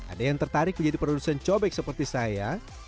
ada yang tertarik menjadi produsen cobek seperti saya